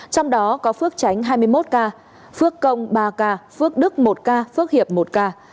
trong đó có phước chánh hai mươi một ca phước công ba ca phước đức một ca phước hiệp một ca